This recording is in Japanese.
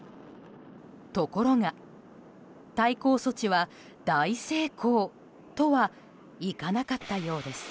ところが、対抗措置は大成功とはいかなかったようです。